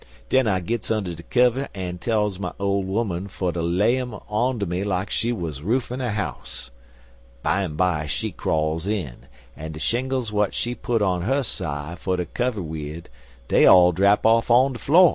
Den I gits under de kiver an' tells my ole 'oman fer ter lay 'em onto me like she was roofin' a house. Bimeby she crawls in, an' de shingles w'at she put on her side fer ter kiver wid, dey all drap off on de flo'.